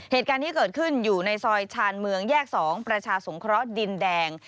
เหตุการณ์ที่เกิดขึ้นอยู่ในซอยชาญเมืองแยก๒ประชาสงเคราะห์ดินแดง